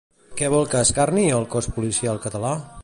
Què vol que encarni, el cos policial català?